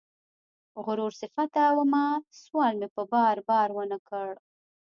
غرور صفته ومه سوال مې په بار، بار ونه کړ